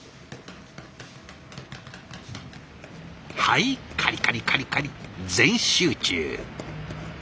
はいカリカリカリカリ全集中。